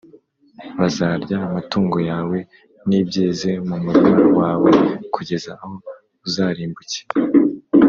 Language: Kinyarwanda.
Bazarya amatungo yawe n’ibyeze mu murima wawe, kugeza aho uzarimbukira.